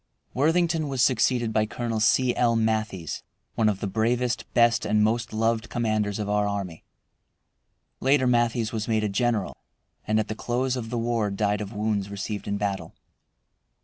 Worthington was succeeded by Colonel C. L. Matthies, one of the bravest, best, and most loved commanders of our army. Later Matthies was made a general, and at the close of the war died of wounds received in battle.